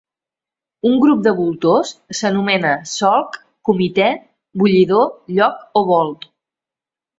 Un grup de voltors s'anomena solc, comitè, bullidor, lloc o volt.